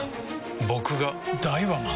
僕がダイワマン？